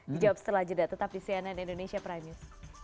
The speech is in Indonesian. dijawab setelah jeda tetap di cnn indonesia prime news